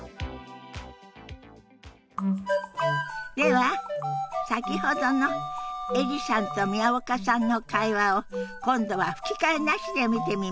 では先ほどのエリさんと宮岡さんの会話を今度は吹き替えなしで見てみましょう。